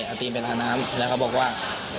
เอาตีนไปอาน้ำแล้วเขาบอกว่า